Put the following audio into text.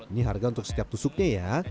ini harga untuk setiap tusuknya ya